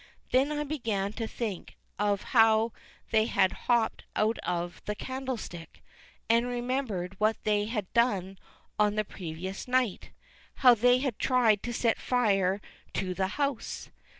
Then I began to think of how they had hopped out of the candlestick, and I remembered what they had done on the previous night how they had tried to set fire to the house.